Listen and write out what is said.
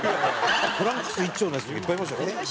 トランクス一丁のヤツとかいっぱいいましたから。